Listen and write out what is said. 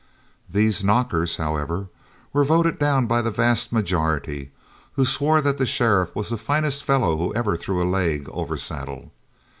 These "knockers," however, were voted down by the vast majority, who swore that the sheriff was the finest fellow who ever threw leg over saddle.